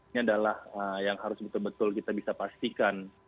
ini adalah yang harus betul betul kita bisa pastikan